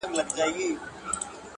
ټولنه ورو ورو بدلېږي لږ,